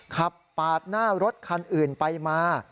ขับปาดหน้ารถคันอื่นไปมา